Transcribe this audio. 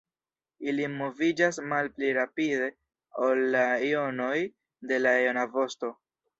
Ili moviĝas malpli rapide ol la jonoj de la jona vosto.